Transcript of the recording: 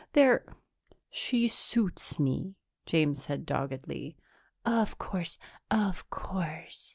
"They're she suits me," James said doggedly. "Of course, of course.